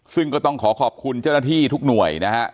ซึ่งก็ต้องขอขอบคุณเจ้าหน้าที่ทุกหน่วยนะฮะ